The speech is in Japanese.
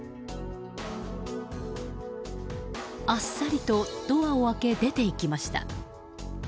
あっさりとドアを開け出て行きました。